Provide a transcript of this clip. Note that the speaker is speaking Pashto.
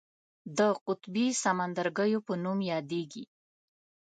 د قطبي سمندرګیو په نوم یادیږي.